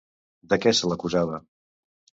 De què se l'acusava?